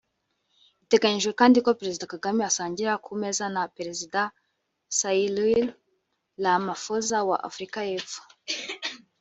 Biteganyijwe kandi ko Perezida Kagame asangira ku meza na Perezida Cyril Ramaphosa wa Afurika y’Epfo